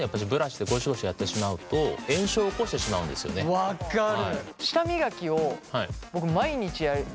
分かる。